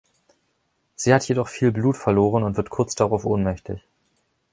Sie hat jedoch viel Blut verloren und wird kurz darauf ohnmächtig.